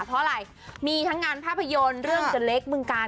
เท่าอะไรมีทั้งงานภาพยนตร์เรื่องเจ๊าเล็กเบื้องกาล